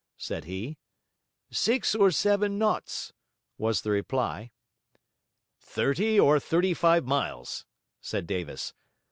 said he. 'Six or seven knots,' was the reply. 'Thirty or thirty five miles,' said Davis.